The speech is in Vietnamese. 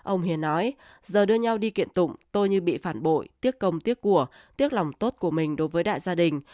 ông hiền nói giờ đưa nhau đi kiện tụng tôi như bị phản bội tiếc công tiếc của tiếc lòng tốt của mình đối với đại gia đình